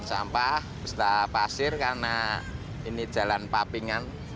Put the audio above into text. persihkan sampah busa pasir karena ini jalan pavingan